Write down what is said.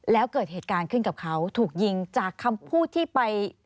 แล้วเกิดเหตุการณ์ขึ้นกับเขาถูกยิงจากคำพูดที่ไป